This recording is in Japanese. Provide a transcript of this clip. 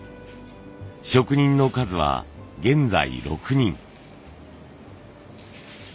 職人の数は現在６人。